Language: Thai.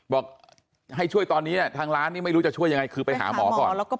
บอกให้ช่วยตอนนี้ทางร้านนี่ไม่รู้จะช่วยยังไงคือไปหาหมอก่อน